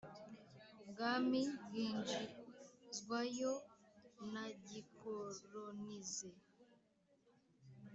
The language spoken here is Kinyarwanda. ubwami bwinjizwayo na gikolonize